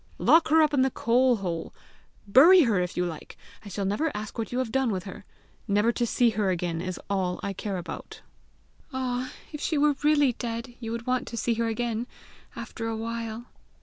"Lock her up in the coal hole bury her if you like! I shall never ask what you have done with her! Never to see her again is all I care about!" "Ah, if she were really dead, you would want to see her again after a while!"